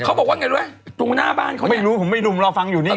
เขาบอกว่าอย่างงี้ด้วยตรงหน้าบ้านเขาเนี่ยไม่รู้ผมไม่รู้เราฟังอยู่นี่ไง